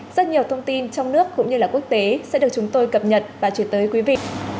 rất nhiều thông tin trong nước cũng như là quốc tế sẽ được chúng tôi cập nhật và truyền tới quý vị